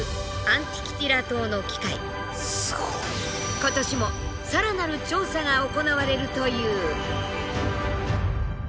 今年もさらなる調査が行われるという。